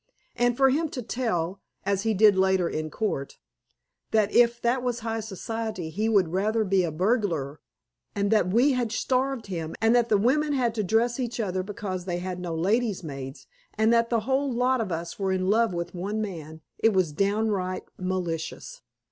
And for him to tell, as he did later in court, that if that was high society he would rather be a burglar, and that we starved him, and that the women had to dress each other because they had no lady's maids, and that the whole lot of us were in love with one man, it was downright malicious.